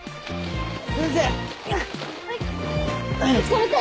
先生！